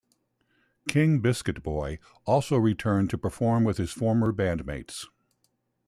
King Biscuit Boy also returned to perform with his former bandmates.